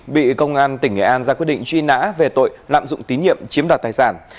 bị công an tỉnh nghệ an ra quyết định truy nã về tội lạm dụng tín nhiệm chiếm đoạt tài sản